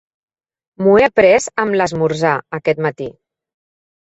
M'ho he pres amb l'esmorzar aquest matí.